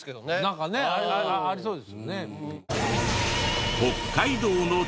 なんかねありそうですよね。